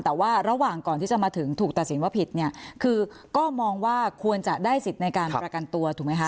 แต่ว่าระหว่างก่อนที่จะมาถึงถูกตัดสินว่าผิดเนี่ยคือก็มองว่าควรจะได้สิทธิ์ในการประกันตัวถูกไหมคะ